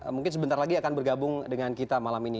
mungkin sebentar lagi akan bergabung dengan kita malam ini